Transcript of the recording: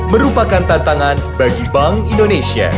merupakan tantangan bagi bank indonesia